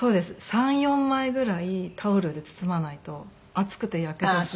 ３４枚ぐらいタオルで包まないと熱くてヤケドをする。